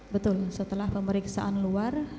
betul setelah pemeriksaan luar